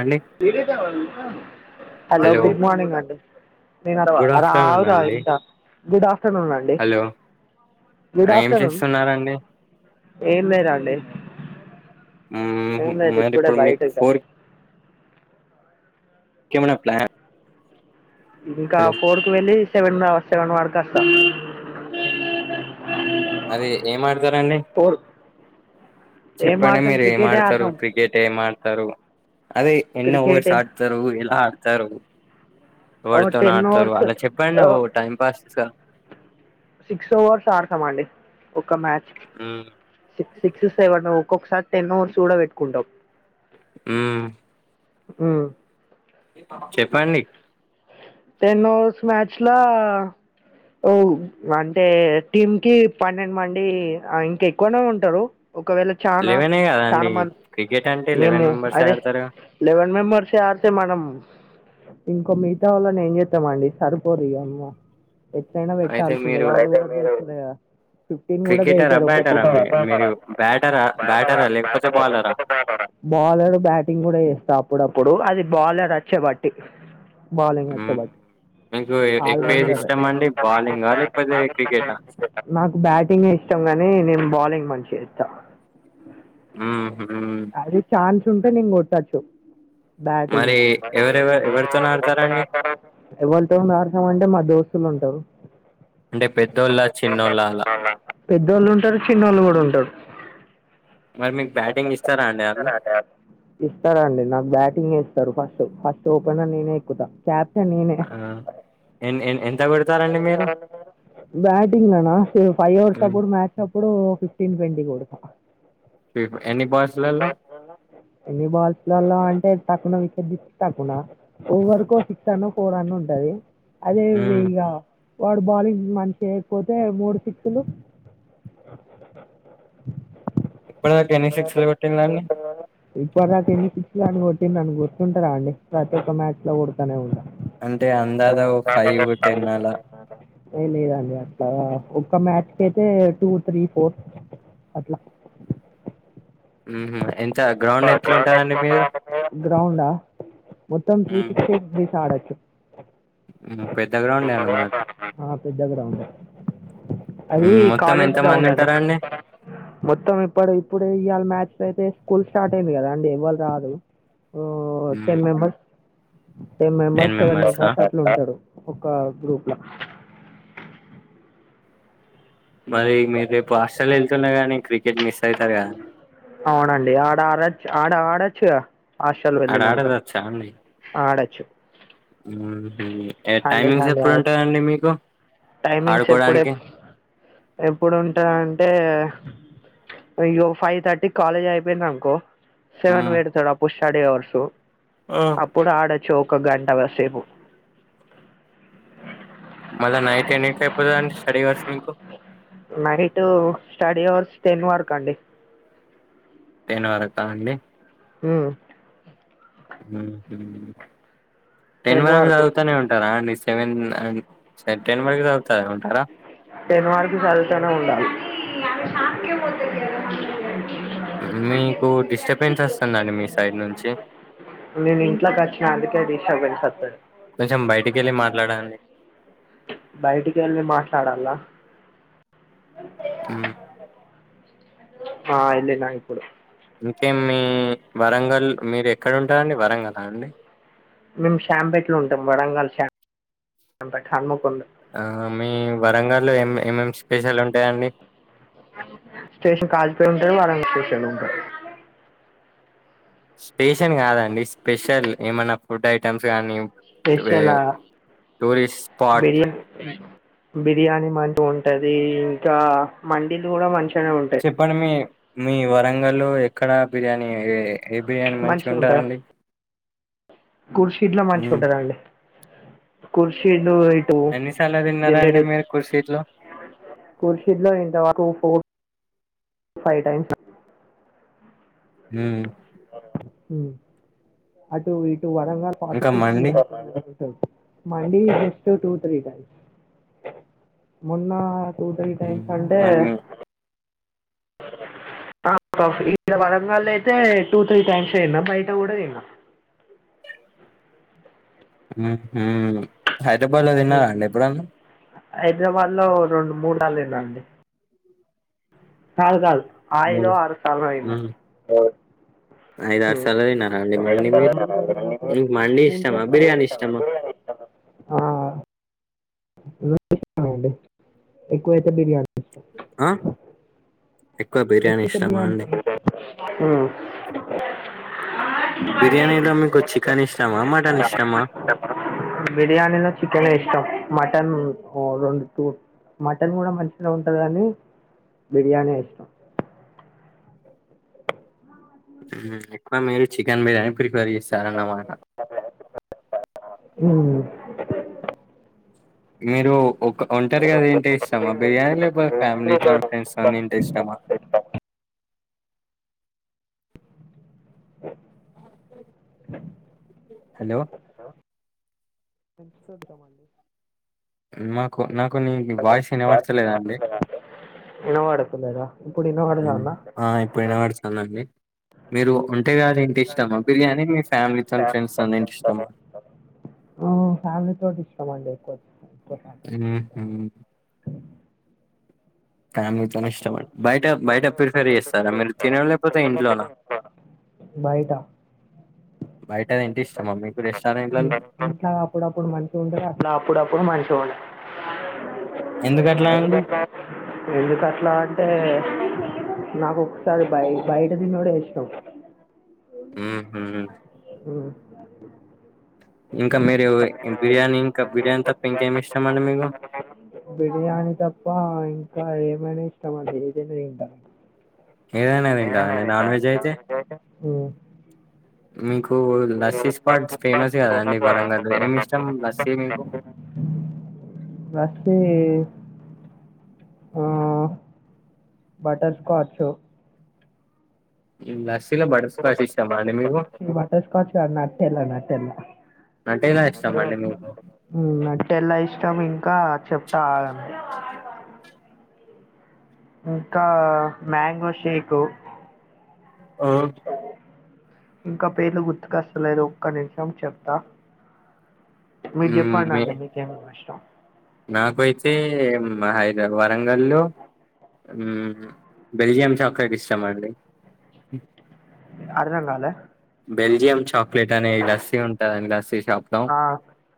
అండి hello good morning అండి నను అర్వ గుడ్ అర ఆఫ్టర్నూన్ అవుద అండి ఎంత [unintelligible] ఆఫ్టర్నూన్ అండి హలో గుడ్ ఏం ఆఫ్టర్నూన్ చేస్తున్నారండి ఏం లేదండి మ్మ్ ఏం లేదు మరి ఇప్పుడే ఇప్పుడు మీకు బయటకిచ్చ ఫోర్ కమనా ప్లా [unintelligible] ఇంకా ఫోర్ కు వెళ్ళి సెవెన్ సెవెన్ వర కోస్తా అది ఏం ఆడతారండి ఫోర్ ఏం చెప్పండి ఆడతాం మీరు ఏం క్రికెటే ఆడతారు ఆడతాం క్రికెట్ ఏమ్ ఆడతారు అదే ఎన్ని క్రికెట్ ఓవర్స్ ఆడతారు ఎలా ఆడతారు ఓ ఎవడితోను టెన్ ఆడతారు ఓవర్స్ అలా చెపండి ఓ టైం పాస్ గా సిక్స్ ఓవర్స్ ఆడతాంమండి ఒక మ్యాచ్ మ్మ్ సిక్ సిక్స్ సెవెన్ ఒకసారి టెన్ అవర్స్ కూడా పెట్టుకుంటాం ఉం ఉం చెప్పండి టెన్ ఒవర్స్ మ్యాచ్ లో ఓ అంటే టీమ్ కి పన్నెండు మంది ఇంకా ఎక్కువనే ఉంటారు ఒకవేళ చానా లెవెనే చాన కదండి మంది క్రికెట్ అంటే లెవెన్ మేము మెంబర్స్ అదే ఆడతారు లెవన్ మెంబేర్స్ ఆడితే మనం ఇంకో మిగతా వాళ్ళనే ఏం చేద్దా మండి సరిపోరు ఇగ ఎత్తణ పెట్ట అయితే ఆవస్య వాళ [unintelligible] క్రికెటరా బ్యాటరా మీ మీరు బ్యాటరా బ్యాటరా లేకపోతే బాలరా బాలర్ బ్యాటింగ్ కూడా చేస్తా అప్పుడప్పుడు అది బాలర్ వచ్చే బట్టి బాలంగ్ వచ్చే హ్మ్. బట్టి మీకు ఎ ఎక్కువ ఏది ఇష్టమండి? బౌలింగా లేకపోతే క్రికెటా? నాకు బ్యాటింగే ఇష్టం గానీ నేను బాలింగ్ మంచిగా వేస్తా ఉం అది ఛాన్స్ ఉంటే నేను కొట్టచ్చు బ్యాటింగ్ మరి ఎవరెవ ఎవరితోని ఆడతారండి? ఎవరితో నసామంటే మా దోస్తు [unintelligible] దోస్తులుంటారు అంటే పెద్దోళ్ళా? చిన్నోళ్ళా అలా? పెద్దోళ్ళు ఉంటరు చిన్న వోళ్ళు కూడా ఉంటరు మరి మీకు బ్యాటింగ్ ఇస్తారా అండి ఆళ్ళు? ఇస్తారండి నాకు బ్యాటింగే ఇస్తారు ఫస్ట్ ఫస్ట్ ఓపెన్ నేనే ఎక్కుతా క్యాప్టన్ నేనే ఆ! ఎన్ ఎన్ ఎంత కొడతారండి మీరు? బంగ్ ఫైవ్ర్స్ హ్మ్. అపో [inaudible] అప్పుడు ఫిఫ్టీన్ ట్వంటీ కొడత ఫిఫ్ ఎన్ని బాల్స్‌లలో? ఎన్ని బాల్స్లలో అంటే తక్కువన విచ్చర్ తక్కున ఓవరకో సిక్స్ అన్న ఫోర్ అన్న ఉంటది [unintelligible] అదే వి హ్మ్. ఇగా వాడు బౌలింగ్ మంచి చేయకపోతే మూడు సిక్సులు ఇప్పుడుకనిక్ సిక్స్ పెట్టటిడి ఇప్పడు నాక ఎన్ని పిచ్చలు అని కొట్టి నన్ను గుర్తుంటారా అండి ప్రతి ఒక్క మ్యాచ్ లో కొడతూనే ఉంటాను అంటే అందాజ ఓ అలా. [unintelligible] లేదండి అట్లా ఒ మ్యాచ్ క అయితే టూ త్రీ ఫోర్ అట్లా హుహు. ఎంత [unintelligible] గ్రౌండ్ ఎట్లుంటదండి మీది? మీరు గ్రౌండ్ మొత్తం హ్మ్. త్రీస్స్ ఆడచ్చు పెద్ద గ్రౌండే అన్నమాట ఆ, పెద్ద గ్రౌండ్ గా అది హ్మ్. మొత్తం కాలేజ్ గౌండ్ అండి ఎంతమందుంటారండి? మొత్తం ఇప్పుడు ళ మ్యాచ్ అయితే స్కూల్ స్టార్ట్ అయింది కదా అండి ఎవవాళ రాదు టెన్ హ్మ్. మెంబర్స్ టెన్ మెంబెర్స్ సెవెన్ మెంబర్సా? మెంబెర్స్ అట్లు ఉంటాడు ఒక గ్రూప్ లో మరి మీరు రేపు హాస్టల్ వెళ్తున్న కానీ క్రికెట్ మిస్ అవుతారు కదడి అవునండి ఆడ ఆడచ్చు ఆడ ఆడొచ్చుగా ఆశల్ వెల్ళ ఆడ నంకా ఆడదచ్చా ఆడచ్చు హ్మ్ టైమింగ్స్ ఎప్పుడు వుంటాయండి మీకు టైమింగ్స్ ఎప్పుడు ఎ ఆడుకోవడానికి ఎప్పుడుంటార అంటే అయ్యో ఫైవ్ థర్టీ కాలేజ్ అయిపోయింది అనుకో సెవెన్ మ్మ్. వేడుతాడా పుష్ స్టడీ అవేర్సు ఆ అప్పుడు ఆడొచ్చు ఒక గంట వసేపు మళ్ళా నైట్ ఎన్నిటికి అయిపోతుందండి స్టడీ అవర్స్ మీకు నైట్ స్టడీ అవర్స్ టెన్ వర్క్ అండి టెన్ వరతా అండి హ్మ్ హ్మ్ టెన్ వరకు చదువుతూనే ఉంటార సెవెన్ అ టెన్ కరకు చేసువుతానే ఉండ అ శాక పో [inaudible] మీకు డిస్టర్బెన్స్ వస్తుందండి మీ సైడ్ నుంచి నేను ఇంట్లోకోచ్చిన అందుకే డిస్టెన్స్ కొంచెం బయటికి వెళ్ళి మాట్లాడండి బయటికి వెళ్ళి మాట్లాడాల హ్మ్ ఆ ఇల్నాయిప్పుడు ఇంకే మీ వరంగల్ మీరు ఎక్కడ ఉంటారం అండి వరంగల్ అండి మేము షాంపేట్లు ఉంటాం వరంగల్ప హను ఆ మీ వరంగల్లో ఏమేం స్పెషల్ ఉంటాయా అండి స్టేషన్ కాజిపేయి ఉంటంది వారంగ స్టేషన్ లో ఉంటారు స్పేషన్ కాదండి స్పెషల్ ఏమన్నా ఫుడ్ ఐటమ్స్ కాగానీ స్పెషలా స్పాట్ బిర్యాని బిర్యానీ మంచి ఉంటది ఇంకా మడిలు కూడా మంచి చెప్పండి మీ మీ వరంగల్లో ఎక్కడ బిర్యానీ ఏ బిర్యానీ మంచిగ ఉండాలండి ఖుర్షీద్ మంచిగుంటదండి ఖుర్షీద్ ఇటాపో ఎన్నిసార్లు తిన్నారండి ఇటాపో మీరు ఖుర్షీద్లో కుర్షీలో ఇంతరకు ఫోర్ ఫైవ్ టైమ్స్ హ్మ్ హ్మ్ అటు ఇటు వరంగ పాటి ఇంకా ఫస్ మండి మల్లి జస్ట్ టూ త్రీ టైమ్స్ మొన్న త్వో త్రి హ్మ్. టైమ్స్ కంటే మరి మీ ఆ [unintelligible] ఇక్కడ వదంగళ అయితే టూ త్రీ టైమ్స్ తిన్నాం బయట కూడా తిన్నాం హైదరాబాద్ లో తిన్నారా అండి ఎప్పుడన్నా హైదరాబాద్ లో రెండు మూడు సార్లు తిన్నా అండి కాదు కాదు ఐదో ఆరో సార్లనో తిన్న ఐదు ఆరు సార్లు తిన్నారా అండి మండి మీరు మీకు మండి ఉంటా ఇష్టమా బిర్యానీ ఇష్టమా [inaudible] రెండు ఇష్టమండి ఎక్కువ అయితే బిర్యానీ ఆ బిర్యానీ ఎక్కువ అయితే ఇష్టమా బిర్యానీ అండి ఇష్టం బిర్యానీలో మీకు చికెన్ ఇష్టమా మటన్ ఇష్టమా బిర్యానీలో చికెనే ఇష్టం మటన్ ఓ రెండు టూ మటన్ కూడా మంచిగనే ఉంటది గాని బిర్యానీ ఎక్కువ మీరు చికెన్ బిర్యానీ ప్రిపేర్ చేస్తారన్నమాట అ మీరు ఒక్క ఒంటరిగా తింటే ఇష్టమా బిర్యానీ లేకపోతే ఫ్యామిలీతోని ఫ్రెండ్స్ తోని తింటే ఇష్టమా హలో నాకు నాకు నీ వాయిస్ వినబడతలేదండి వినబడతలేదా ఇప్పుడు మ్మ్. వినబడుతుందా ఆ ఇప్పుడు వినబడుతుందండి మీరు ఒంటరిగా తింటే ఇష్టమా బిర్యానీ మీ ఫ్యామిలీతోని ఫ్రెండ్స్తోని తింటే ఇష్టమా ఫ్యామిలీతోటి ఇష్టమండి ఎక్కువ ఎక్కువ శాతం. ఉ హ్మ్ ఫ్యామిలీతోని ఇష్టమాండీ ప్రతి బయట బయట ప్రిఫేర్ చేస్తరా మీరు తినడం లేకపోతే ఇంట్లోన బయట బయట తింటే ఇష్టమా మీకు రెస్టారెంట్లలో అట్లా అప్పుడప్పుడు మనిషగా ఉంటది అట్లా అప్పుడప్పుడు మంచిగా ఉండదు ఎందుకు అట్లా అండి ఎందుకట్లా ఎందుకట్లా అంటే నాకు ఒక్కొక్కసారి బయ బయట తినడం ఇష్టం ఉహు అ ఇంకా మీరు బిర్యానీ ఇంకా బిర్యానీ తప్ప ఇంకేం ఇష్టం అండి మీకు బిర్యానీ తప్ప ఇంకా ఏమైనా ఇష్టం అండి ఏదైనా తింటా ఏదైనా తింటరా అండి నాన్ వెజ్ అయితే మ్మ్. మీకు లస్సీ స్పాట్స్ ఫేమస్ కదా అండి వరంగల్లో ఏమి ఇష్టం లస్సీ మీకు ఆ బటర్ స్కాచ్ ఉమ్ లస్ బటర్స్కాచ్ కాదు నెట్ సెల్ల నెట్ సెల్ల నటేలా ఇష్టం అండి మీకు ఉమ్నెట్సెల్ల ఇంకా చెప్తా ఆగండి ఇంకా మ్యాంగో షేక్ ఆ ఇంకా పేర్లు గుర్తుకొస్తలేవు ఒక్క నిమిషం చెప్తా మీరు మ్మ్ చెప్పండి మీ అండి మీకేమేమీ ఇష్టం నాకైతే మా హైదరాబాద్ వరంగల్లో బెల్జియం చాక్లెట్ ఇష్టం అండి అర్థం కాలే బెల్జియం చాక్లెట్ అనే లస్సీ ఉంటుందింని లస్సీ షాప్ లో ఆ,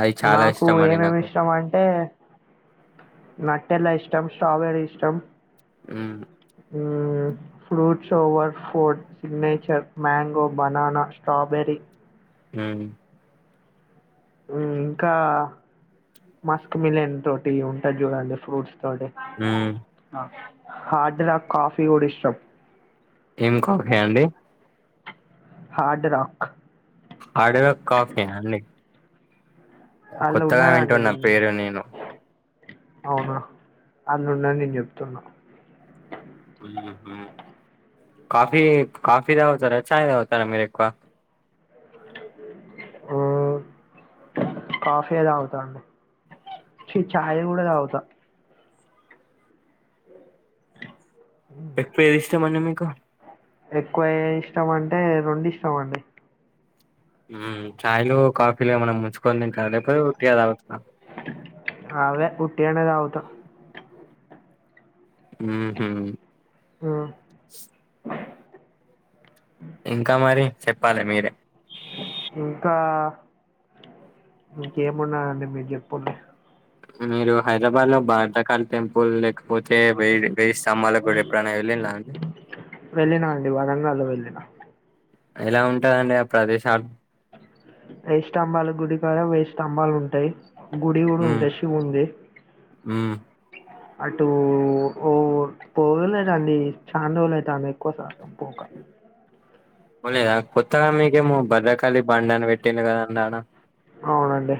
అది చాలా నాకు ఇష్టం అండి ఏమేమి నాకు ఇష్టం అంటే నట్టెల ఇష్ ష్టం స్ట్రాబెరీ ఇష్టం హ్మ్ మ్మ్ fruit shower food signature mango banana strawberry హ్మ్ ఇంకా మస్క్ మిలన్ తోటి ఉంటాది చూడండి ఫ్రూట్స్ ఉమ్ హార్ కాఫీ కూడా ఇష్టం ఏం కాఫీ అండి హార్డ్ రాక్ అడు కాఫీయా అండి అలా కొత్తగా ఉన్నారా అండి వింటున్న నిను పేరు నేను అవునా అన్నన్నాని నేను చెప్తున్న పోయి చెప్పు కాఫీ కాఫీ తాగుతారా చాయ్ తాగుతారా మీరు ఎక్కువ మ్మ్ కాఫీ ఏ తాగుతా అండి చి ఛాయ్ కూడా తాగుతా ఎక్కువ ఏది ఇష్టంమండి మీకు ఎక్కువ ఇష్టం అంటే రెండు ఇష్టం అండి చాయ్లు కాఫీలు ఏమైనా ముంచుకొని తింటా లేకపోతే ఒటిగా తాగుతవ అదే ఊటీగానే తాగుతా మ్మ్ హ్మ్ హ్మ్ ఇంకా మరి చెప్పాలి మీరే ఇంకా ఇక ఏమన్నా మీ చెప్పలే మీరు హైదరాబాద్ లో భారతకాళ టెంపుల్ లేకపోతే వేయడి వస్త అమ్మాల కూడా ఎప్పుడై వెళ్ళలా అండి వెళ్ళినా అండి వరంగల్లో వెళ్ళిన ఎలా ఉంటందిండి ఆ ప్రదేశ వెయ్యి స్తంభాలు గుడికార వెయ్యి స్తంభాలు ఉంటాయి గుడి కూడా హ్మ్. ఉంటది శివున్ ది హ్మ్ అటు ఓ పోగలేదండి చాందోలు అయితాంది ఎక్కువ శాతం పోక ఒళదా కొత్తగా మీకు ఏమో భద్రకాల బాండన పెట్టి కదా అండానా అవునండి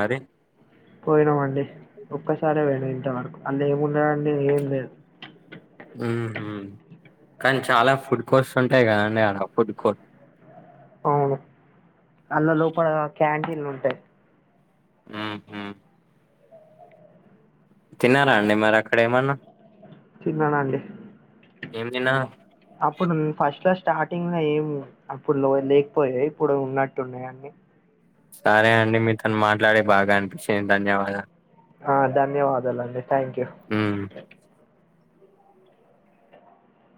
మరి పోయినామండి ఒక్కసారే పోయినా ఇంతవరకు అళ్ళ ఏమున్నాడండి ఏం లేదు మ్మ్ హ్మ్ కానీ చాలా ఫుడ్ కోర్ట్స్ ఉంటాయి కదండి అడ ఫుడ్ కోర్ట్ అవును అల్ల లోపల క్యాంటీన్లు ఉంటాయి మ్మ్ హ్మ్ తిన్నారా అండి మరి అక్కడ ఏమన్నా తిన్ననాండి ఏం తినారు అప్పుడు ఫస్ట్ లా స్టార్టింగ్ లో ఏం అప్పుడు లో లేకపోయా ఇప్పుడు ఉన్నట్టున్నాయి అండి సరే అండి మీ తను మాట్లాడే బాగా అనిపించింది ధన్యవాదాలు ధన్యవాదాలుండి థ్యాంక్ యూ మ్మ్.